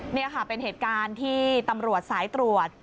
นี่ค่ะเป็นเหตุการณ์ที่ตำรวจสายตรวจ